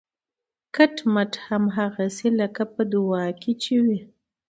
کټ مټ هماغسې لکه په دعا کې چې وي